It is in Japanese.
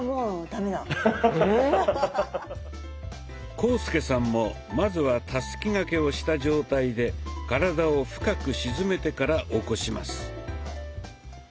⁉浩介さんもまずはたすき掛けをした状態で体を深く沈めてから起こします。